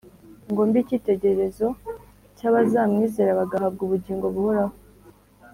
ngo mbe icyitegererezo cy’abazamwizera bagahabwa ubugingo buhoraho.